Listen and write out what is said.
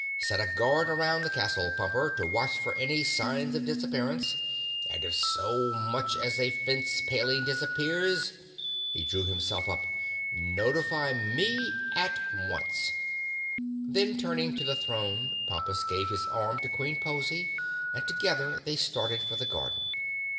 Set a guard around the castle, Pumper, to watch for any signs of disappearance, and if so much as a fence paling disappears"—he drew himself up—"notify me at once!" Then turning to the throne Pompus gave his arm to Queen Pozy and together they started for the garden.